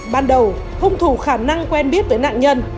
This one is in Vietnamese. ban đầu hung thủ khả năng quen biết với nạn nhân